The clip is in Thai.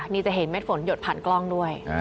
นี่จะเห็นเม็ดฝนหยดผ่านกล้องด้วย